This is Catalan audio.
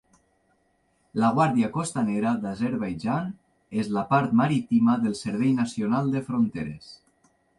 La Guàrdia Costanera d'Azerbaidjan és la part marítima del Servei Nacional de Fronteres.